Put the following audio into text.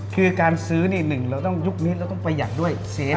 คือการซื้อจากนั้นต้องไปยัดด้วย